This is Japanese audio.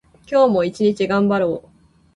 今日も一日頑張ろう。